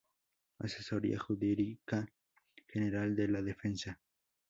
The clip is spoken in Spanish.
Asesoría Jurídica General de la Defensa.